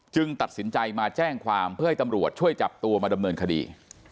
ตัดสินใจมาแจ้งความเพื่อให้ตำรวจช่วยจับตัวมาดำเนินคดี